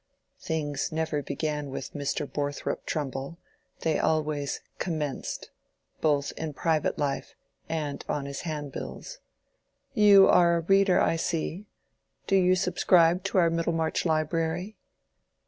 (Things never began with Mr. Borthrop Trumbull: they always commenced, both in private life and on his handbills.) "You are a reader, I see. Do you subscribe to our Middlemarch library?"